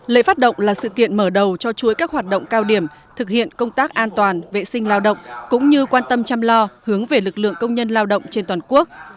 lễ phát động là sự kiện mở đầu cho chuối các hoạt động cao điểm thực hiện công tác an toàn vệ sinh lao động cũng như quan tâm chăm lo hướng về lực lượng công nhân lao động trên toàn quốc